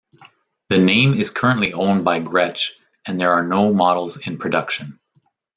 The name is currently owned by Gretsch and there are no models in production.